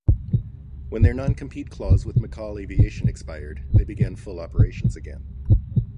When their non-compete clause with McCall Aviation expired, they began full operations again.